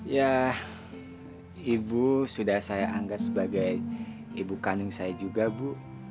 ya ibu sudah saya anggap sebagai ibu kandung saya juga bu